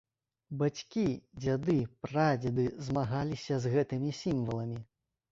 Бацькі, дзяды, прадзеды змагаліся з гэтымі сімваламі.